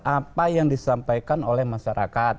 apa yang disampaikan oleh masyarakat